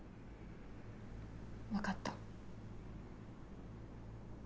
分かった。